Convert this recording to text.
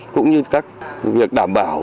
cũng như các việc đảm bảo